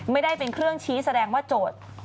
ไม่ได้เป็นเครื่องชี้แสดงว่าโจทย์